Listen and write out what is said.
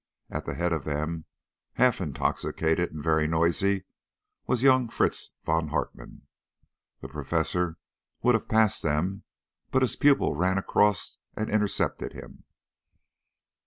At the head of them, half intoxicated and very noisy, was young Fritz von Hartmann. The Professor would have passed them, but his pupil ran across and intercepted him.